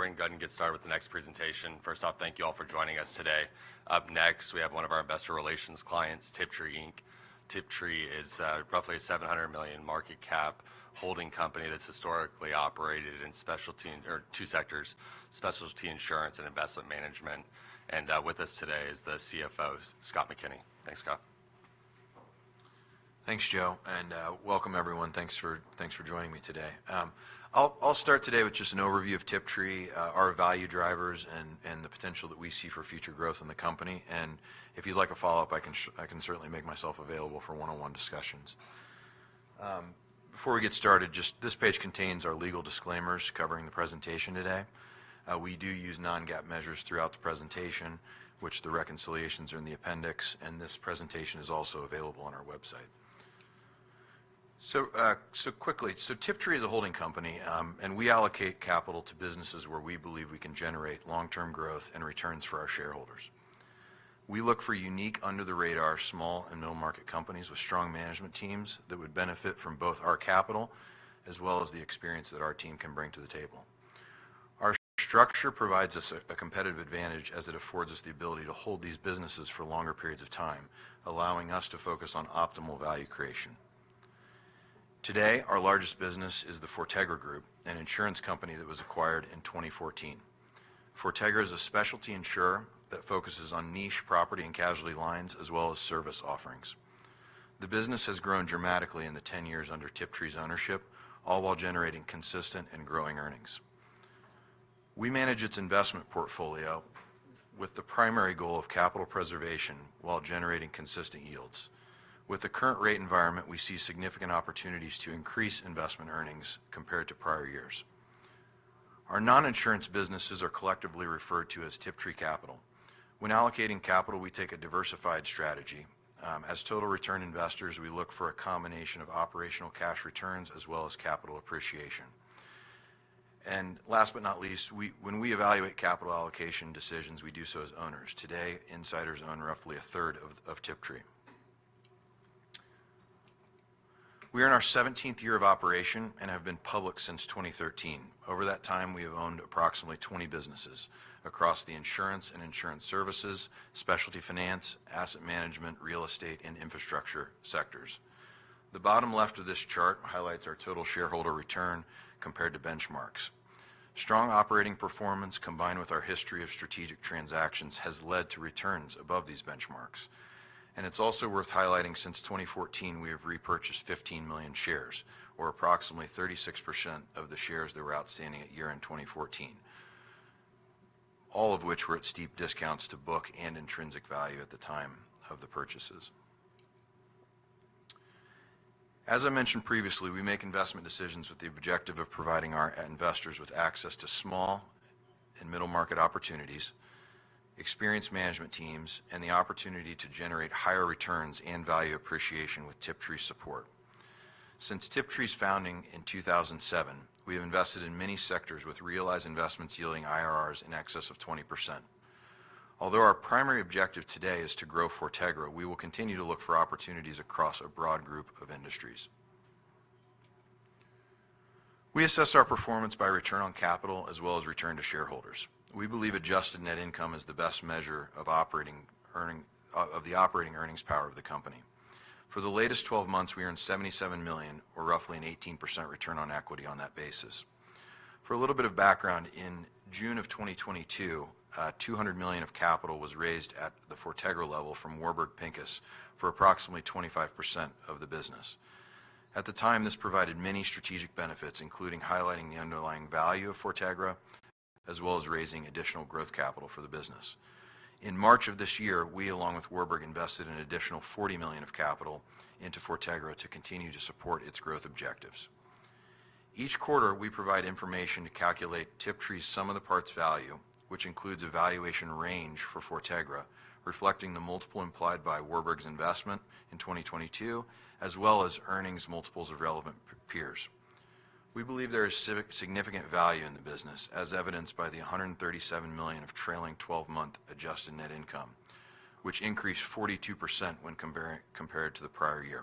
All right, we're going to go ahead and get started with the next presentation. First off, thank you all for joining us today. Up next, we have one of our investor relations clients, Tiptree Inc. Tiptree is roughly a $700 million market cap holding company that's historically operated in two sectors, specialty insurance and investment management. And with us today is the CFO, Scott McKinney. Thanks, Scott. Thanks, Joe, and welcome everyone. Thanks for joining me today. I'll start today with just an overview of Tiptree, our value drivers and the potential that we see for future growth in the company. If you'd like a follow-up, I can certainly make myself available for one-on-one discussions. Before we get started, just this page contains our legal disclaimers covering the presentation today. We do use non-GAAP measures throughout the presentation, which the reconciliations are in the appendix, and this presentation is also available on our website. Tiptree is a holding company, and we allocate capital to businesses where we believe we can generate long-term growth and returns for our shareholders. We look for unique, under-the-radar, small and middle-market companies with strong management teams that would benefit from both our capital as well as the experience that our team can bring to the table. Our structure provides us a competitive advantage as it affords us the ability to hold these businesses for longer periods of time, allowing us to focus on optimal value creation. Today, our largest business is The Fortegra Group, an insurance company that was acquired in twenty fourteen. Fortegra is a specialty insurer that focuses on niche property and casualty lines, as well as service offerings. The business has grown dramatically in the 10 years under Tiptree's ownership, all while generating consistent and growing earnings. We manage its investment portfolio with the primary goal of capital preservation while generating consistent yields. With the current rate environment, we see significant opportunities to increase investment earnings compared to prior years. Our non-insurance businesses are collectively referred to as Tiptree Capital. When allocating capital, we take a diversified strategy. As total return investors, we look for a combination of operational cash returns as well as capital appreciation, and last but not least, we, when we evaluate capital allocation decisions, we do so as owners. Today, insiders own roughly a third of Tiptree. We are in our 17th year of operation and have been public since twenty thirteen. Over that time, we have owned approximately 20 businesses across the insurance and insurance services, specialty finance, asset management, real estate, and infrastructure sectors. The bottom left of this chart highlights our total shareholder return compared to benchmarks. Strong operating performance, combined with our history of strategic transactions, has led to returns above these benchmarks. It's also worth highlighting, since twenty fourteen, we have repurchased fifteen million shares, or approximately 36% of the shares that were outstanding at year-end twenty fourteen, all of which were at steep discounts to book and intrinsic value at the time of the purchases. As I mentioned previously, we make investment decisions with the objective of providing our investors with access to small and middle-market opportunities, experienced management teams, and the opportunity to generate higher returns and value appreciation with Tiptree support. Since Tiptree's founding in two thousand and seven, we have invested in many sectors with realized investments yielding IRRs in excess of 20%. Although our primary objective today is to grow Fortegra, we will continue to look for opportunities across a broad group of industries. We assess our performance by return on capital as well as return to shareholders. We believe adjusted net income is the best measure of operating earnings of the operating earnings power of the company. For the latest 12 months, we earned $77 million, or roughly an 18% return on equity on that basis. For a little bit of background, in June of 2022, $200 million of capital was raised at the Fortegra level from Warburg Pincus for approximately 25% of the business. At the time, this provided many strategic benefits, including highlighting the underlying value of Fortegra, as well as raising additional growth capital for the business. In March of this year, we, along with Warburg, invested an additional $40 million of capital into Fortegra to continue to support its growth objectives. Each quarter, we provide information to calculate Tiptree's sum of the parts value, which includes a valuation range for Fortegra, reflecting the multiple implied by Warburg's investment in 2022, as well as earnings multiples of relevant peers. We believe there is significant value in the business, as evidenced by the $137 million of trailing twelve-month adjusted net income, which increased 42% when compared to the prior year.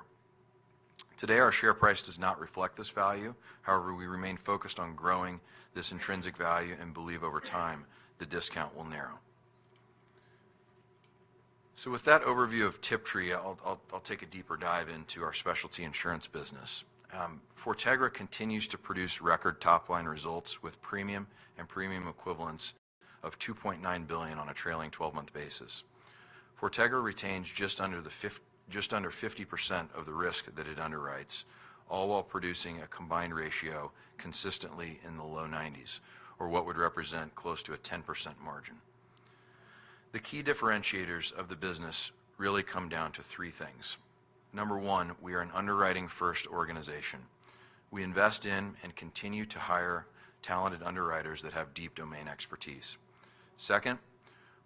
Today, our share price does not reflect this value. However, we remain focused on growing this intrinsic value and believe over time the discount will narrow, so with that overview of Tiptree, I'll take a deeper dive into our specialty insurance business. Fortegra continues to produce record top-line results with premium and premium equivalents of $2.9 billion on a trailing twelve-month basis. Fortegra retains just under 50% of the risk that it underwrites, all while producing a combined ratio consistently in the low 90s, or what would represent close to a 10% margin. The key differentiators of the business really come down to three things. Number one, we are an underwriting-first organization. We invest in and continue to hire talented underwriters that have deep domain expertise. Second,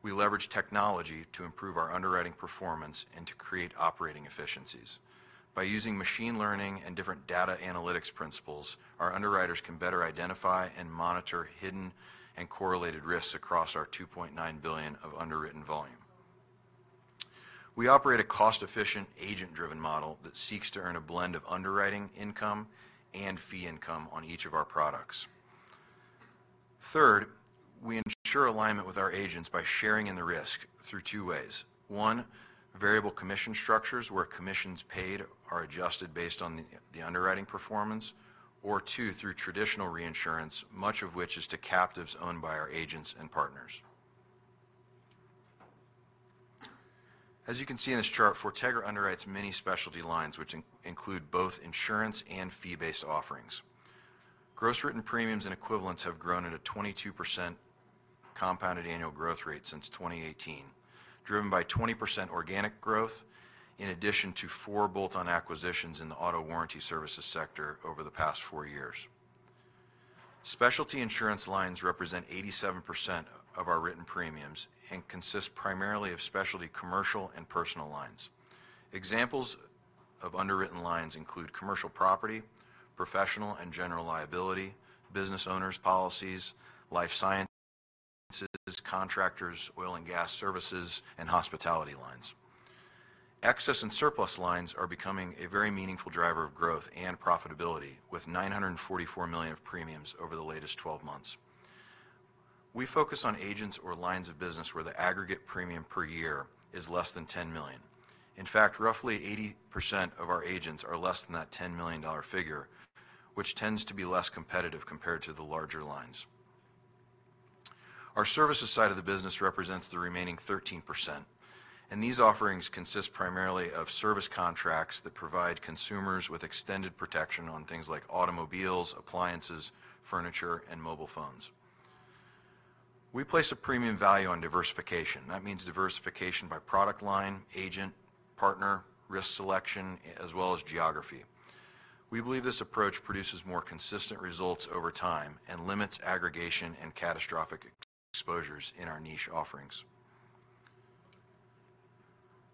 we leverage technology to improve our underwriting performance and to create operating efficiencies. By using machine learning and different data analytics principles, our underwriters can better identify and monitor hidden and correlated risks across our $2.9 billion of underwritten volume. We operate a cost-efficient, agent-driven model that seeks to earn a blend of underwriting income and fee income on each of our products. Third, we ensure alignment with our agents by sharing in the risk through two ways. One, variable commission structures, where commissions paid are adjusted based on the underwriting performance, or two, through traditional reinsurance, much of which is to captives owned by our agents and partners. As you can see in this chart, Fortegra underwrites many specialty lines, which include both insurance and fee-based offerings. Gross written premiums and equivalents have grown at a 22% compounded annual growth rate since 2018, driven by 20% organic growth, in addition to four bolt-on acquisitions in the auto warranty services sector over the past four years. Specialty insurance lines represent 87% of our written premiums and consist primarily of specialty commercial and personal lines. Examples of underwritten lines include commercial property, professional and general liability, business owners policies, life sciences, contractors, oil and gas services, and hospitality lines. Excess and surplus lines are becoming a very meaningful driver of growth and profitability, with $944 million of premiums over the latest twelve months. We focus on agents or lines of business where the aggregate premium per year is less than $10 million. In fact, roughly 80% of our agents are less than that $10 million figure, which tends to be less competitive compared to the larger lines. Our services side of the business represents the remaining 13%, and these offerings consist primarily of service contracts that provide consumers with extended protection on things like automobiles, appliances, furniture, and mobile phones. We place a premium value on diversification. That means diversification by product line, agent, partner, risk selection, as well as geography. We believe this approach produces more consistent results over time and limits aggregation and catastrophic exposures in our niche offerings.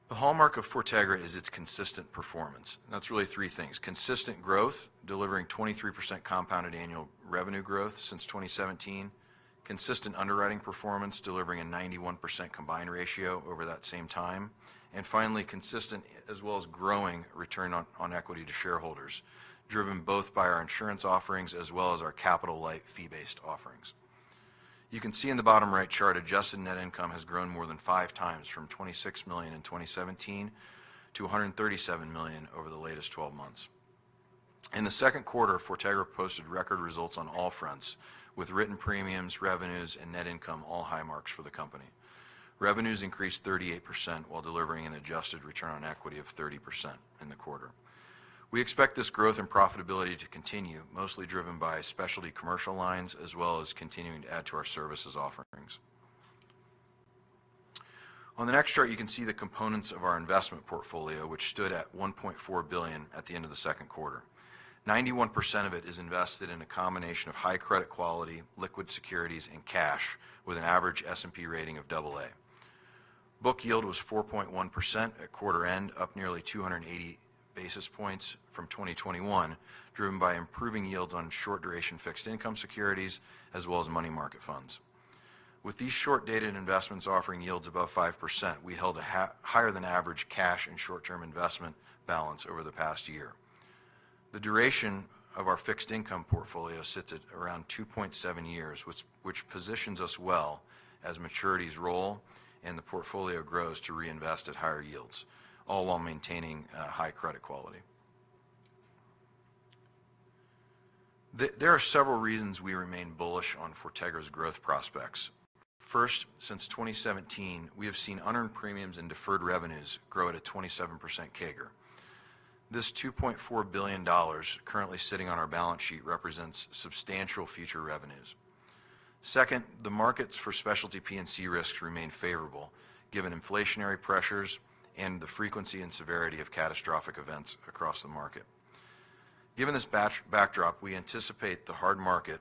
The hallmark of Fortegra is its consistent performance. That's really three things: consistent growth, delivering 23% compounded annual revenue growth since 2017. Consistent underwriting performance, delivering a 91% combined ratio over that same time. And finally, consistent as well as growing return on equity to shareholders, driven both by our insurance offerings as well as our capital-light, fee-based offerings. You can see in the bottom-right chart, adjusted net income has grown more than five times from $26 million in 2017 to $137 million over the latest twelve months. In the second quarter, Fortegra posted record results on all fronts, with written premiums, revenues, and net income all high marks for the company. Revenues increased 38% while delivering an adjusted return on equity of 30% in the quarter. We expect this growth and profitability to continue, mostly driven by specialty commercial lines, as well as continuing to add to our services offerings. On the next chart, you can see the components of our investment portfolio, which stood at $1.4 billion at the end of the second quarter. 91% of it is invested in a combination of high credit quality, liquid securities, and cash, with an average S&P rating of double A. Book yield was 4.1% at quarter end, up nearly 280 basis points from 2021, driven by improving yields on short-duration fixed income securities as well as money market funds. With these short-dated investments offering yields above 5%, we held a higher-than-average cash and short-term investment balance over the past year. The duration of our fixed income portfolio sits at around 2.7 years, which positions us well as maturities roll and the portfolio grows to reinvest at higher yields, all while maintaining high credit quality. There are several reasons we remain bullish on Fortegra's growth prospects. First, since 2017, we have seen unearned premiums and deferred revenues grow at a 27% CAGR. This $2.4 billion currently sitting on our balance sheet represents substantial future revenues. Second, the markets for specialty P&C risks remain favorable, given inflationary pressures and the frequency and severity of catastrophic events across the market. Given this backdrop, we anticipate the hard market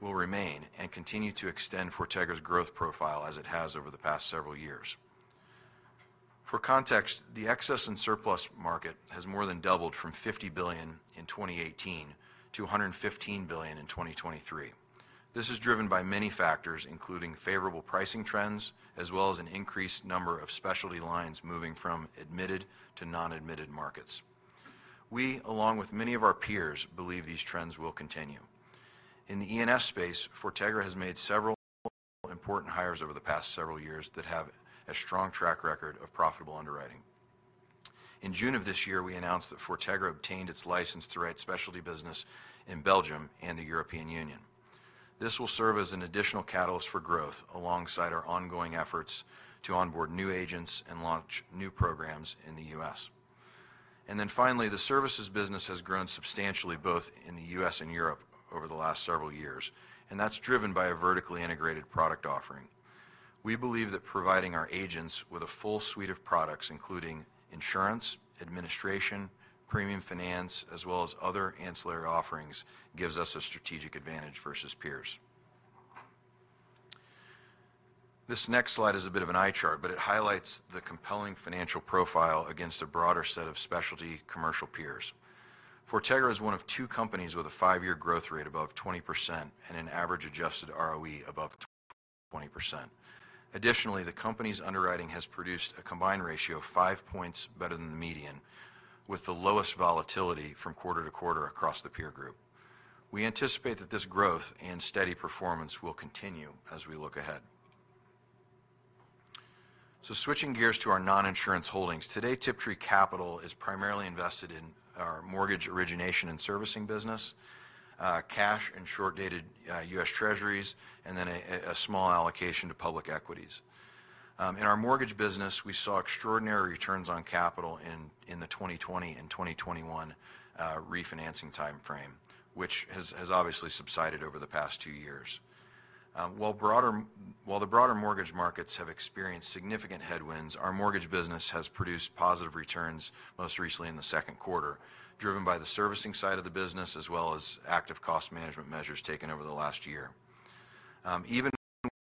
will remain and continue to extend Fortegra's growth profile as it has over the past several years. For context, the excess and surplus market has more than doubled from $50 billion in 2018 to $115 billion in 2023. This is driven by many factors, including favorable pricing trends, as well as an increased number of specialty lines moving from admitted to non-admitted markets. We, along with many of our peers, believe these trends will continue. In the E&S space, Fortegra has made several important hires over the past several years that have a strong track record of profitable underwriting. In June of this year, we announced that Fortegra obtained its license to write specialty business in Belgium and the European Union. This will serve as an additional catalyst for growth alongside our ongoing efforts to onboard new agents and launch new programs in the U.S. And then finally, the services business has grown substantially, both in the U.S. and Europe over the last several years, and that's driven by a vertically integrated product offering. We believe that providing our agents with a full suite of products, including insurance, administration, premium finance, as well as other ancillary offerings, gives us a strategic advantage versus peers. This next slide is a bit of an eye chart, but it highlights the compelling financial profile against a broader set of specialty commercial peers.... Fortegra is one of two companies with a five-year growth rate above 20% and an average adjusted ROE above 20%. Additionally, the company's underwriting has produced a combined ratio of five points better than the median, with the lowest volatility from quarter to quarter across the peer group. We anticipate that this growth and steady performance will continue as we look ahead. So switching gears to our non-insurance holdings. Today, Tiptree Capital is primarily invested in our mortgage origination and servicing business, cash and short-dated US Treasuries, and then a small allocation to public equities. In our mortgage business, we saw extraordinary returns on capital in the 2020 and 2021 refinancing timeframe, which has obviously subsided over the past two years. While the broader mortgage markets have experienced significant headwinds, our mortgage business has produced positive returns, most recently in the second quarter, driven by the servicing side of the business, as well as active cost management measures taken over the last year. Even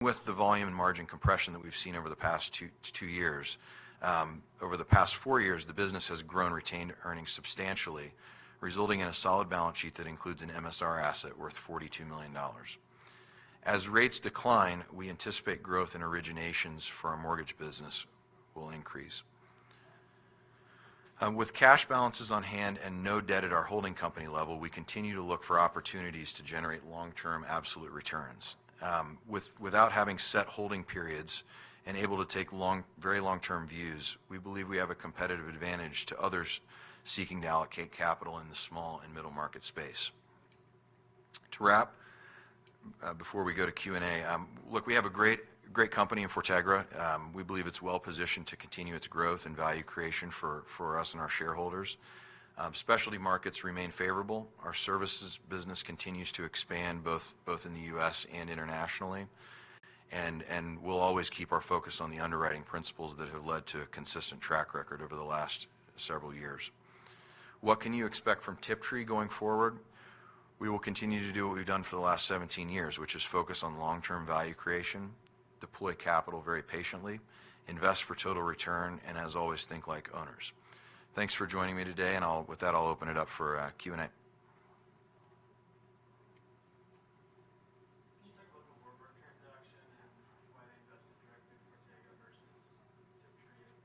with the volume and margin compression that we've seen over the past two years, over the past four years, the business has grown retained earnings substantially, resulting in a solid balance sheet that includes an MSR asset worth $42 million. As rates decline, we anticipate growth in originations for our mortgage business will increase. With cash balances on hand and no debt at our holding company level, we continue to look for opportunities to generate long-term absolute returns. Without having set holding periods and able to take long, very long-term views, we believe we have a competitive advantage to others seeking to allocate capital in the small and middle market space. To wrap, before we go to Q&A, look, we have a great, great company in Fortegra. We believe it's well-positioned to continue its growth and value creation for us and our shareholders. Specialty markets remain favorable. Our services business continues to expand both in the U.S. and internationally. And we'll always keep our focus on the underwriting principles that have led to a consistent track record over the last several years. What can you expect from Tiptree going forward? We will continue to do what we've done for the last 17 years, which is focus on long-term value creation, deploy capital very patiently, invest for total return, and as always, think like owners. Thanks for joining me today, and with that, I'll open it up for Q&A. Can you talk about the Warburg transaction and why they invested directly in Fortegra versus Tiptree at the Tiptree level?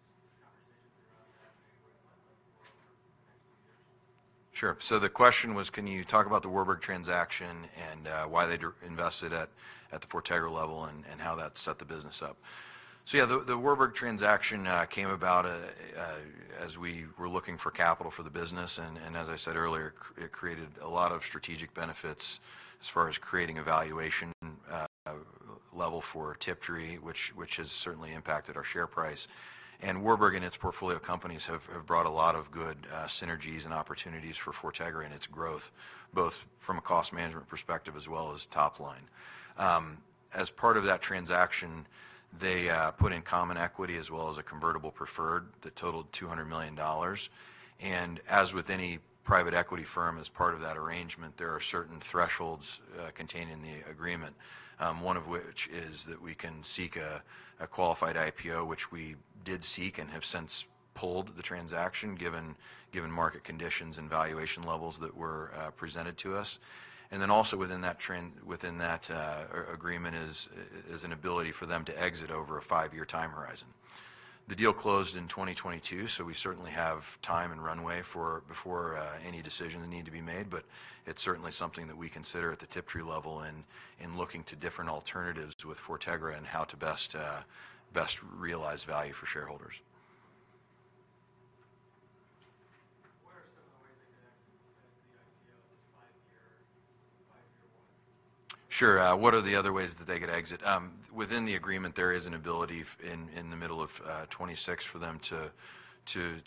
Just conversations around that and what sets up the Warburg connection. Sure. The question was, can you talk about the Warburg transaction and why they invested at the Fortegra level and how that set the business up? Yeah, the Warburg transaction came about as we were looking for capital for the business, and as I said earlier, it created a lot of strategic benefits as far as creating a valuation level for Tiptree, which has certainly impacted our share price. And Warburg and its portfolio companies have brought a lot of good synergies and opportunities for Fortegra and its growth, both from a cost management perspective as well as top line. As part of that transaction, they put in common equity as well as a convertible preferred that totaled $200 million. As with any private equity firm, as part of that arrangement, there are certain thresholds contained in the agreement, one of which is that we can seek a qualified IPO, which we did seek and have since pulled the transaction, given market conditions and valuation levels that were presented to us. Then also within that term, within that agreement is an ability for them to exit over a five-year time horizon. The deal closed in 2022, so we certainly have time and runway before any decision that need to be made, but it's certainly something that we consider at the Tiptree level and in looking to different alternatives with Fortegra and how to best realize value for shareholders. What are some of the ways they could exit besides the IPO, the five-year, five-year one? Sure, what are the other ways that they could exit? Within the agreement, there is an ability for them in the middle of twenty-six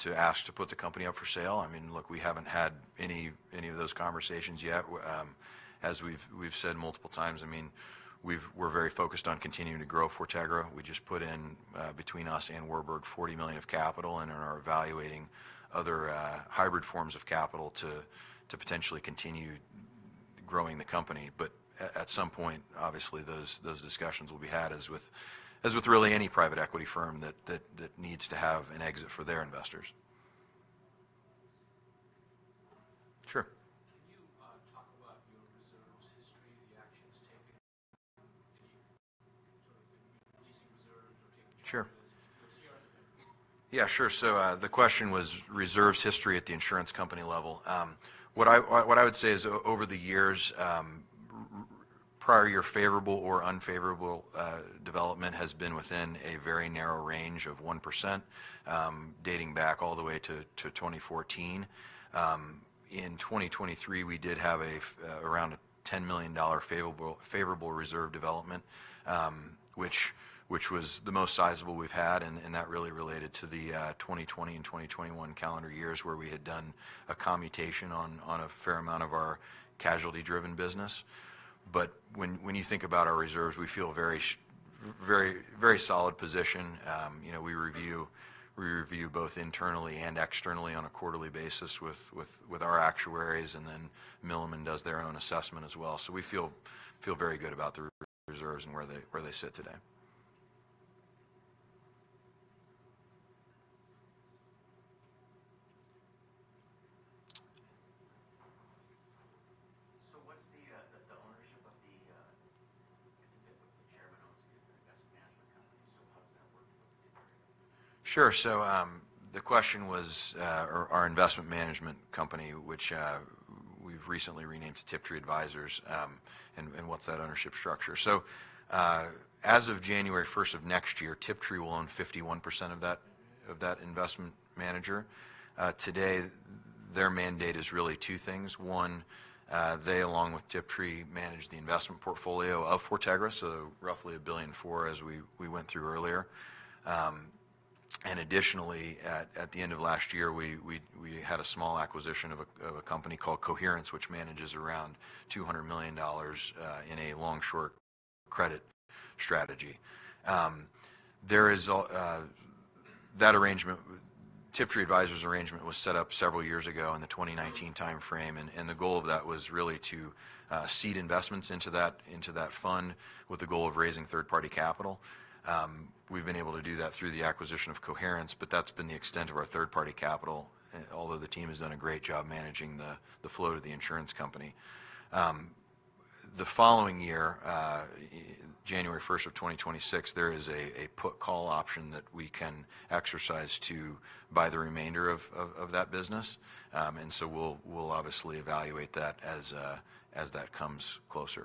to ask to put the company up for sale. I mean, look, we haven't had any of those conversations yet. As we've said multiple times, I mean, we're very focused on continuing to grow Fortegra. We just put in between us and Warburg $40 million of capital and are evaluating other hybrid forms of capital to potentially continue growing the company. But at some point, obviously, those discussions will be had, as with really any private equity firm that needs to have an exit for their investors. Sure. Can you talk about your reserves history, the actions taken, any sort of releasing reserves or taking charges? Sure. CRs effect. Yeah, sure. So, the question was reserves history at the insurance company level. What I would say is over the years, prior year favorable or unfavorable development has been within a very narrow range of 1%, dating back all the way to twenty fourteen. In twenty twenty-three, we did have around a $10 million favorable reserve development, which was the most sizable we've had, and that really related to the twenty twenty and twenty twenty-one calendar years where we had done a commutation on a fair amount of our casualty-driven business. But when you think about our reserves, we feel very very solid position. You know, we review both internally and externally on a quarterly basis with our actuaries, and then Milliman does their own assessment as well. So we feel very good about the reserves and where they sit today. So, what's the ownership of the chairman owns the investment management company, so how does that work with Tiptree? Sure. So, the question was, our investment management company, which we've recently renamed to Tiptree Advisors, and what's that ownership structure? So, as of January first of next year, Tiptree will own 51% of that investment manager. Today, their mandate is really two things. One, they, along with Tiptree, manage the investment portfolio of Fortegra, so roughly $1.4 billion, as we went through earlier. And additionally, at the end of last year, we had a small acquisition of a company called Coherence, which manages around $200 million in a long-short credit strategy. There is that arrangement. Tiptree Advisors' arrangement was set up several years ago in the 2019 timeframe, and the goal of that was really to seed investments into that fund with the goal of raising third-party capital. We've been able to do that through the acquisition of Coherence, but that's been the extent of our third-party capital, although the team has done a great job managing the flow to the insurance company. The following year, January first of 2026, there is a put/call option that we can exercise to buy the remainder of that business. And so we'll obviously evaluate that as that comes closer.